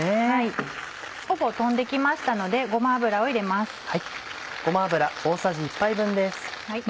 ほぼ飛んで来ましたのでごま油を入れます。